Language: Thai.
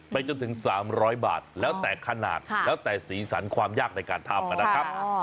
จนถึง๓๐๐บาทแล้วแต่ขนาดแล้วแต่สีสันความยากในการทำนะครับ